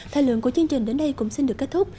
thời lượng của chương trình đến đây cũng xin được kết thúc